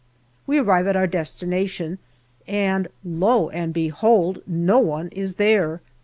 We arrive at our destination, and lo and behold ! no one is there.